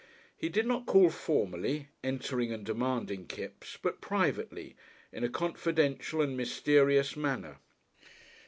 He did not call formally, entering and demanding Kipps, but privately, in a confidential and mysterious manner.